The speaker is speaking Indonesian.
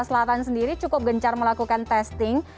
selatan sendiri cukup gencar melakukan testing